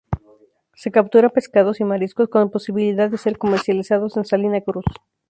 Se capturan pescados y mariscos con posibilidad de ser comercializados en Salina Cruz.